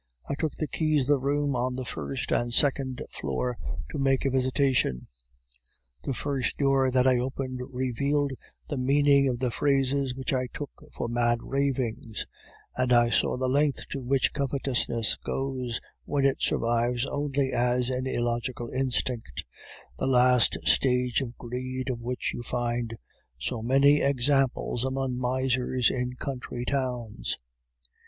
I took the keys of the rooms on the first and second floor to make a visitation. The first door that I opened revealed the meaning of the phrases which I took for mad ravings; and I saw the length to which covetousness goes when it survives only as an illogical instinct, the last stage of greed of which you find so many examples among misers in country towns.